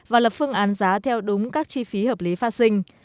và lập phương án giá theo đúng các chi phí hợp lý pha sinh